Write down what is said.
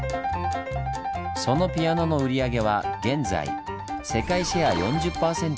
そのピアノの売り上げは現在世界シェア４０％で１位。